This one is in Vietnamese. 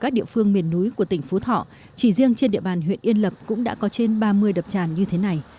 các địa phương miền núi của tỉnh phú thọ chỉ riêng trên địa bàn huyện yên lập cũng đã có trên ba mươi đập tràn như thế này